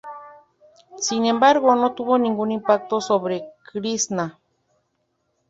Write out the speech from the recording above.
Sin embargo, no tuvo ningún impacto sobre Krisná.